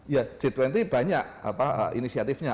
ya g dua puluh banyak inisiatifnya